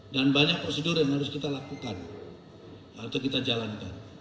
dan banyak prosedur yang harus kita lakukan atau kita jalankan